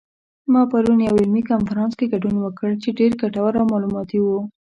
ما پرون یوه علمي کنفرانس کې ګډون وکړ چې ډېر ګټور او معلوماتي و